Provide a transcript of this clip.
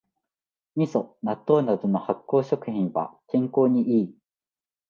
みそ、納豆などの発酵食品は健康にいい